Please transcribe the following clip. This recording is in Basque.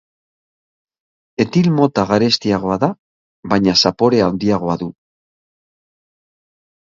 Etil mota garestiagoa da baina zapore handiagoa du.